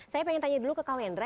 saya ingin tanya dulu ke kawendra